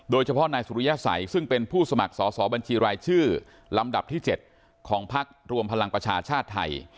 โดยเฉพาะนายสุริยสัยซึ่งเป็นผู้สมัครสอสอบัญชีรายชื่อลำดับที่๗ของพักรวมพลังประชาชาติไทย